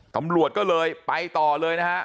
ตำรวจก็เลยไปต่อเลยนะฮะ